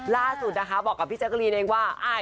ล่าสุดนะคะบอกกับพี่แจ๊กรีนเองว่า